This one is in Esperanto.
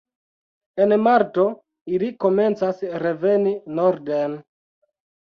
En marto ili komencas reveni norden.